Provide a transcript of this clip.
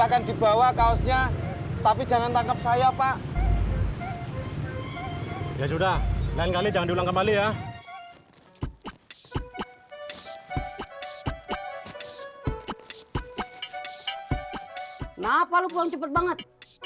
kenapa lo pulang cepet banget